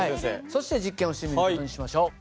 そして実験をしてみる事にしましょう。